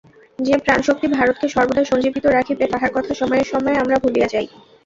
যে প্রাণশক্তি ভারতকে সর্বদা সঞ্জীবিত রাখিবে, তাহার কথা সময়ে সময়ে আমরা ভুলিয়া যাই।